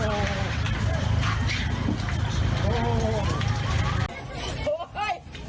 โอ้โฮโอ้โฮ